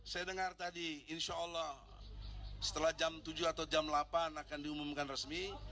saya dengar tadi insya allah setelah jam tujuh atau jam delapan akan diumumkan resmi